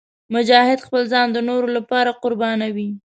مجاهد خپل ځان د نورو لپاره قربانوي.